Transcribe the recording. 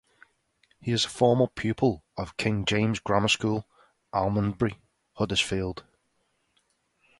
He is a former pupil of King James's Grammar School, Almondbury, Huddersfield.